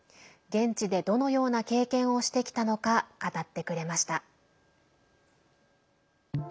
現地でどのような経験をしてきたのか語ってくれました。